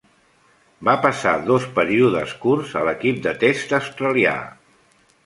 Va passar dos períodes curts a l'equip de test australià.